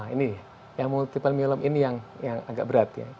ini yang multiple myeloma ini yang agak berat